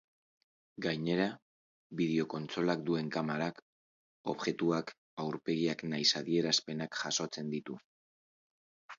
Gainera, bideo-kontsolak duen kamerak, objektuak, aurpegiak nahiz adierazpenak jasotzen ditu.